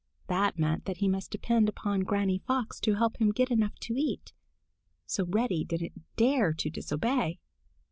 That meant that he must depend upon Granny Fox to help him get enough to eat. So Reddy didn't dare to disobey.